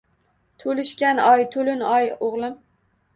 To’lishgan oy, to’lin oy, o’g’lim